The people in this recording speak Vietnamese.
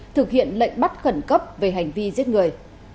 thực hiện lệnh bắt khẩn cấp về hành vi giết người